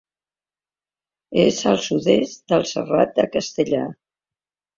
És al sud-est del Serrat de Castellar.